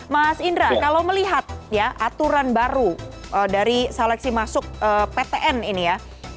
mas indra kalau melihat ya aturan baru dari seleksi masuk ptn ini ya